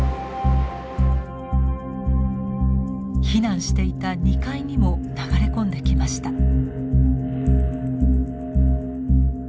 避難していた２階にも流れ込んできました。